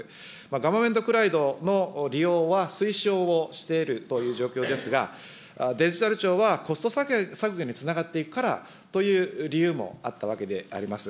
ガバメントクラウドの利用は推奨をしているという状況ですが、デジタル庁はコスト削減につながっていくからという理由もあったわけであります。